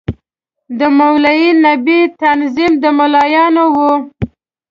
د مولوي نبي تنظیم د ملايانو وو.